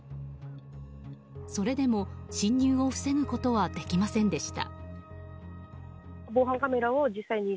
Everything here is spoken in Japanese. それでも、侵入を防ぐことはできませんでした。